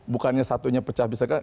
bukannya satunya pecah bisa ke